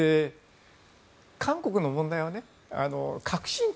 韓国の問題は革新系